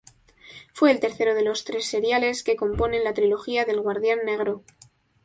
Fue el tercero de los tres seriales que componen la "trilogía del Guardián Negro".